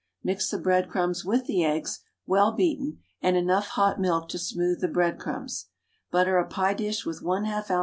Mix the breadcrumbs with the eggs, well beaten, and enough hot milk to smooth the breadcrumbs; butter a pie dish with 1/2 oz.